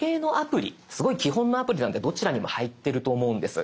すごい基本のアプリなんでどちらにも入ってると思うんです。